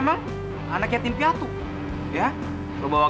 jangan kalau hari ini ku isolation tiga dikuasai